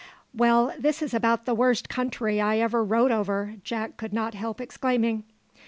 "Well, this is about the worst country I ever rode over!" Jack could not help exclaiming.